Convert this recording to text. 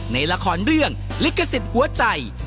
ในละครเรื่องลิขสิทธิ์หัวใจ